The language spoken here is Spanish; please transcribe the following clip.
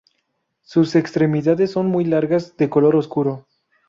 Sus extremidades son muy largas de color oscuro.